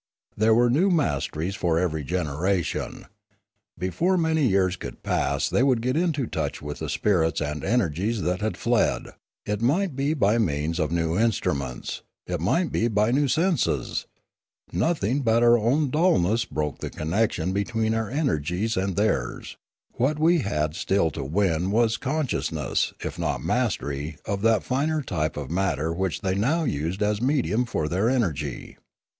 There were new masteries for every gen eration. Before many years could pass they would get into touch with the spirits and energies that had fled; it might be by means of new instruments; it might be by new senses; nothing but our own dulness broke the connection between our energies and theirs; what we had still to win was consciousness, if not mastery, of that finer type of matter which they now used as medium for their energy.